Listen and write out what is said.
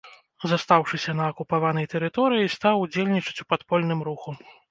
Застаўшыся на акупаванай тэрыторыі, стаў удзельнічаць у падпольным руху.